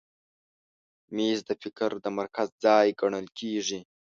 مېز د فکر د مرکز ځای ګڼل کېږي.